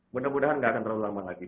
mudah mudahan nggak akan terlalu lama lagi